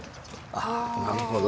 あっなるほど。